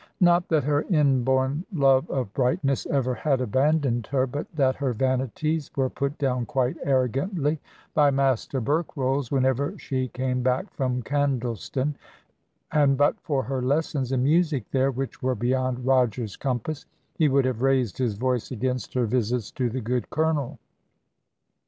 Not that her inborn love of brightness ever had abandoned her, but that her vanities were put down quite arrogantly by Master Berkrolles whenever she came back from Candleston; and but for her lessons in music there which were beyond Roger's compass he would have raised his voice against her visits to the good Colonel.